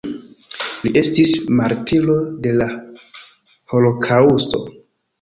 Li estis martiro de la holokaŭsto.